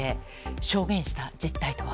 証言した実態とは。